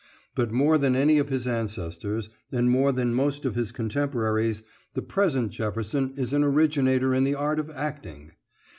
But more than any of his ancestors, and more than most of his contemporaries, the present Jefferson is an originator in the art of acting....